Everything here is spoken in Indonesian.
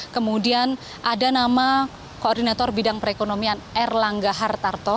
kemudian ada nama koordinator bidang perekonomian erlangga hartarto